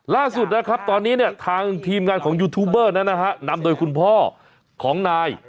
ล่าสุดนะครับตอนนี้เนี่ยทางทีมงานของยูทูบเบอร์นั้นนะฮะนำโดยคุณพ่อของนาย